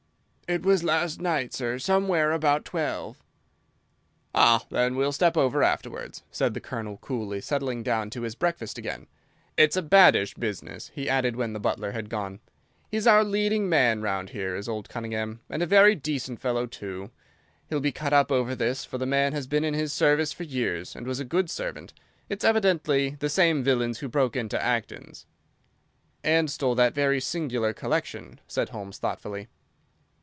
"It was last night, sir, somewhere about twelve." "Ah, then, we'll step over afterwards," said the Colonel, coolly settling down to his breakfast again. "It's a baddish business," he added when the butler had gone; "he's our leading man about here, is old Cunningham, and a very decent fellow too. He'll be cut up over this, for the man has been in his service for years and was a good servant. It's evidently the same villains who broke into Acton's." "And stole that very singular collection," said Holmes, thoughtfully.